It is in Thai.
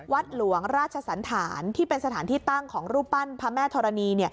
วัดหลวงราชสันธารที่เป็นสถานที่ตั้งของรูปปั้นพระแม่ธรณี